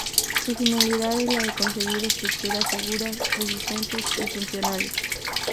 Su finalidad es la de conseguir estructuras seguras, resistentes y funcionales.